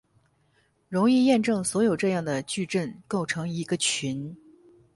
容易验证所有这样的矩阵构成一个群。